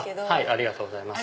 ありがとうございます。